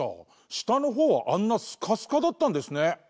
したのほうはあんなスカスカだったんですね。